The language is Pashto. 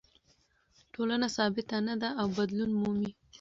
ټولنه ثابته نه ده او بدلون مومي.